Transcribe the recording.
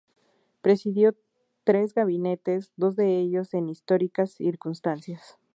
Presidió tres gabinetes, dos de ellos en históricas circunstancias.